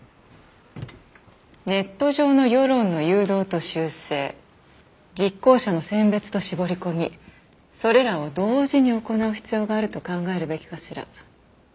ネット上の世論の誘導と修正実行者の選別と絞り込みそれらを同時に行う必要があると考えるべきかしら。